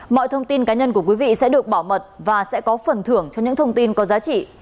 mọi thông tin cá nhân của quý vị sẽ được bảo mật và sẽ có phần thưởng cho những thông tin có giá trị